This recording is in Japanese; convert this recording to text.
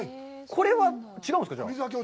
これは違うんですか。